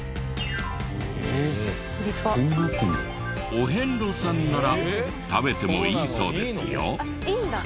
お遍路さんなら食べてもいいそうですよ。